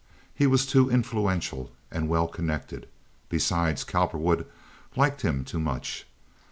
He was too influential and well connected. Besides, Cowperwood liked him too much.